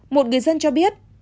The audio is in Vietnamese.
một người dân cho biết